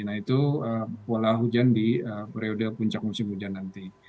nah itu pola hujan di periode puncak musim hujan nanti